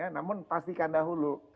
namun pastikan dahulu